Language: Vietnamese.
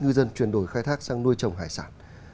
ngư dân chuyển đổi khai thác sang nuôi trồng hải sản